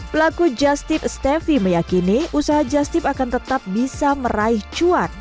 pelaku justip steffi meyakini usaha justip akan tetap bisa meraih cuan